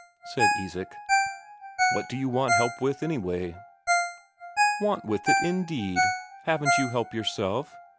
said Isak. "What do you want help with, anyway?" "Want with it, indeed? Haven't you help yourself?